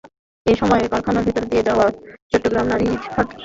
একই সময়ে কারখানার ভেতর দিয়ে যাওয়া চট্টগ্রাম-নাজিরহাট রেলপথেও অবরোধ সৃষ্টি করা হয়।